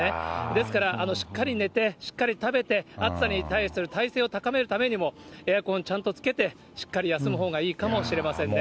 ですから、しっかり寝て、しっかり食べて、暑さに対する耐性を高めるためにも、エアコンちゃんとつけて、しっかり休むほうがいいかもしれませんね。